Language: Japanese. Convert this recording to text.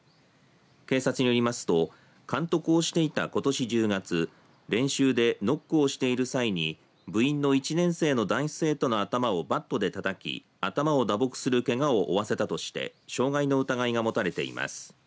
警察によりますと監督をしていたことし１０月練習でノックをしている際に部員の１年生の男子生徒の頭をバットでたたき頭を打撲するけがを負わせたとして傷害の疑いが持たれています。